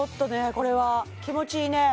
これは気持ちいいね